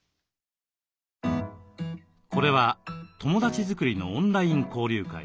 これは友だち作りのオンライン交流会